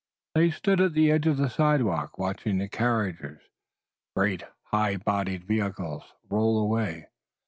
They stood at the edge of the sidewalk, watching the carriages, great high bodied vehicles, roll away.